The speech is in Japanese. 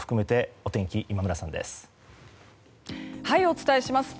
お伝えします。